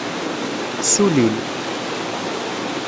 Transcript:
Ssullin.